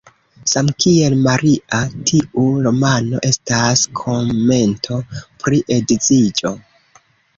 Samkiel "Maria", tiu romano estas komento pri edziĝo.